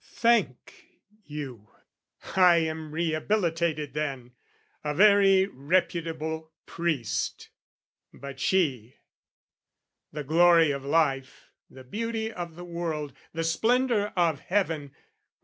Thank you! I am rehabilitated then, A very reputable priest. But she The glory of life, the beauty of the world, The splendour of heaven